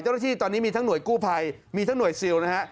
เจ้าหน้าที่ตอนนี้มีทั้งหน่วยกู้ภัยมีทั้งหน่วยซิลนะฮะ